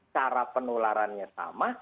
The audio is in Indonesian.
cara penularannya sama